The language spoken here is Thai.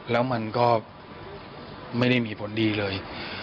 แล้วมันก็ไม่ได้มีผลดีเลย